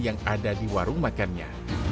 yang ada di warung makannya